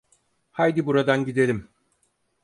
Haydi buradan gidelim.